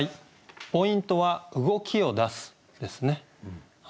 ポイントは「動きを出す」ですね。